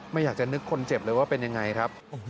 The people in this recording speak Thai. ไม่อยากจะนึกคนเจ็บเลยว่าเป็นยังไงครับ